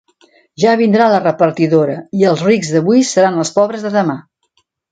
Ja vindrà la repartidora, i els rics d'avui seran els pobres de demà.